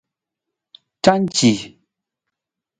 Canci.